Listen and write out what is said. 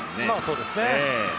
そうですね。